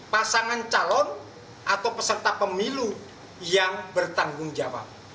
pasangan calon atau peserta pemilu yang bertanggung jawab